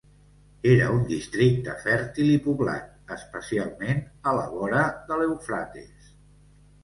Era un districte fèrtil i poblat, especialment a la vora de l'Eufrates.